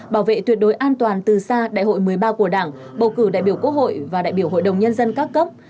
bảo vệ tuyệt đối an toàn từ xa đại hội một mươi ba của đảng bầu cử đại biểu quốc hội và đại biểu hội đồng nhân dân các cấp